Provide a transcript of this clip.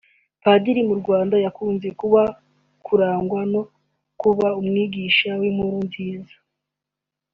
Padiri mu Rwanda yakunze kurangwa no kuba umwigisha w’inkuru nziza